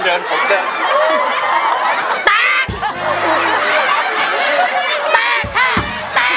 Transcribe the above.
แตกค่ะแตก